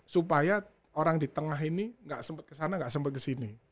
supaya orang di tengah ini enggak sempat kesana enggak sempat kesini